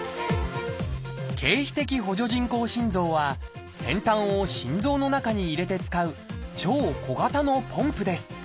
「経皮的補助人工心臓」は先端を心臓の中に入れて使う超小型のポンプです。